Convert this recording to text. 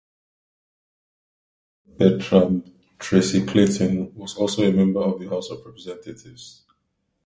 His brother, Bertram Tracy Clayton, was also a member of the House of Representatives.